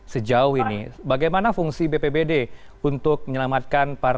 sejumlah bantuan sudah mulai datang